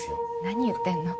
何言ってんの？